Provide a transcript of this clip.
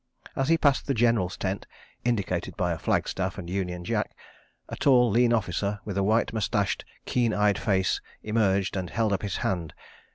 As he passed the General's tent (indicated by a flagstaff and Union Jack), a tall lean officer, with a white moustached, keen eyed face, emerged and held up his hand.